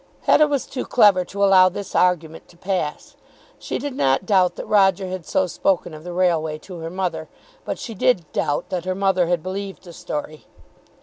Hetta was too clever to allow this argument to pass. She did not doubt that Roger had so spoken of the Railway to her mother, but she did doubt that her mother had believed the story.